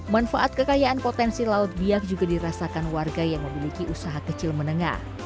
manfaat kekayaan potensi laut biak juga dirasakan warga yang memiliki usaha kecil menengah